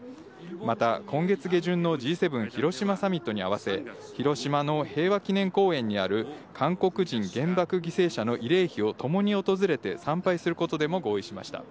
また、今月下旬のＧ７広島サミットに合わせ、広島の平和記念公園にある、韓国人原爆犠牲者の慰霊碑を共に訪れて参拝することでも合意しました。